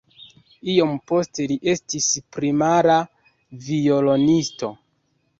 Iom poste li estis primara violonisto.